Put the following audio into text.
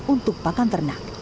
untuk pakan ternak